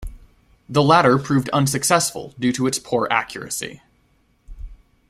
The latter proved unsuccessful due to its poor accuracy.